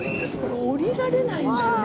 降りられないんだよね